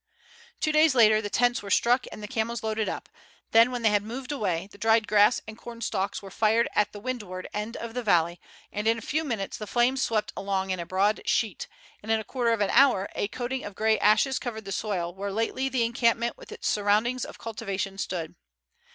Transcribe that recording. Two days later the tents were struck and the camels loaded up; then when they had moved away, the dried grass and corn stalks were fired at the windward end of the valley and in a few minutes the flames swept along in a broad sheet, and in a quarter of an hour a coating of gray ashes covered the soil where lately the encampment with its surroundings of cultivation stood.